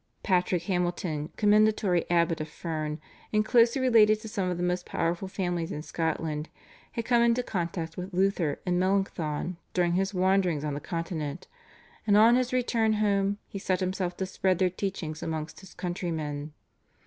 Patrick Hamilton, commendatory abbot of Ferne and closely related to some of the most powerful families in Scotland, had come into contact with Luther and Melanchthon during his wanderings on the Continent, and on his return home he set himself to spread their teachings amongst his countrymen.